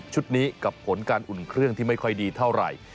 นี้กับผลการอุ่นเครื่องที่ไม่ค่อยดีเท่าไหร่